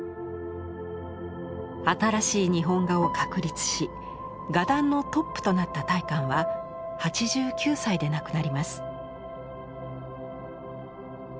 新しい日本画を確立し画壇のトップとなった大観は８９歳で亡くなります。